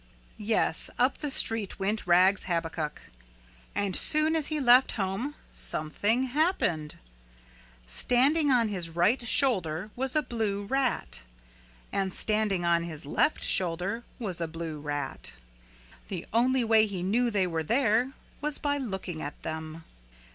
Yes, up the street went Rags Habakuk. And soon as he left home something happened. Standing on his right shoulder was a blue rat and standing on his left shoulder was a blue rat. The only way he knew they were there was by looking at them.